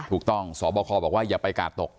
ถูกต้องสบคบอกว่าอย่าไปกาดตก